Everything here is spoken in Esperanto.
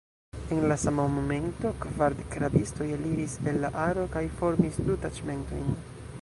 En la sama momento kvardek rabistoj eliris el la aro kaj formis du taĉmentojn.